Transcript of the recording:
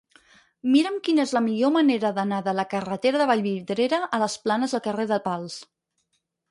Mira'm quina és la millor manera d'anar de la carretera de Vallvidrera a les Planes al carrer de Pals.